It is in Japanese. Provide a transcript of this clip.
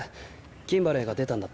キンバレーが出たんだって？